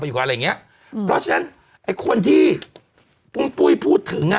เพราะฉะนั้นไอ้คนที่ปุ้ยพูดถึง